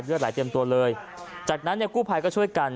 หลายเต็มตัวเลยจากนั้นเนี่ยกู้ภัยก็ช่วยกัน